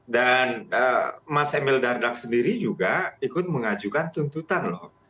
dan mas emil dardak sendiri juga ikut mengajukan tuntutan